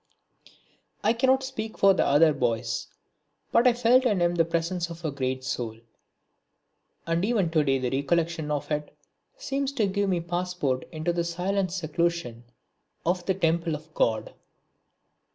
I cannot speak for the other boys but I felt in him the presence of a great soul, and even to day the recollection of it seems to give me a passport into the silent seclusion of the temple of God.